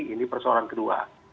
ini persoalan kedua